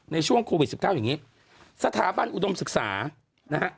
ในช่วงโควิด๑๙อย่างนี้สถาบันอุดมศึกษานะฮะ